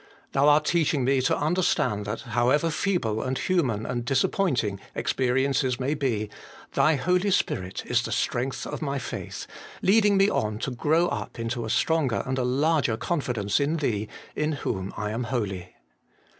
Thou art teaching me to understand that, however feeble and human and disappointing experiences may be, Thy Holy Spirit is the strength of my faith, leading me on to grow up into a stronger and a larger 166 HOLY IN CHRIST. confidence in Thee in whom I am holy.